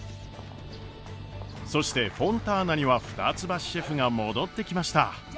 そしてフォンターナには二ツ橋シェフが戻ってきました。